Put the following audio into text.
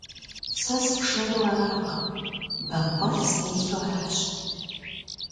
Сэ сыпшэру аракъым, бампӏэл стелъу аращ.